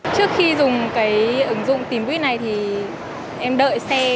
trước khi dùng cái ứng dụng tìm buýt này thì em đợi xe